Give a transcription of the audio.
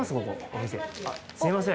すいません